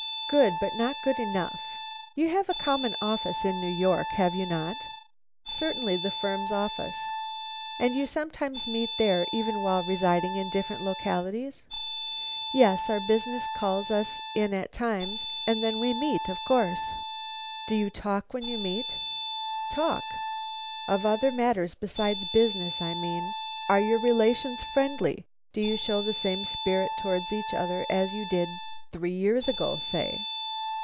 "Good, but not good enough. You have a common office in New York, have you not?" "Certainly, the firm's office." "And you sometimes meet there, even while residing in different localities?" "Yes, our business calls us in at times and then we meet, of course." "Do you talk when you meet?" "Talk?" "Of other matters besides business, I mean. Are your relations friendly? Do you show the same spirit towards each other as you did three years ago, say?"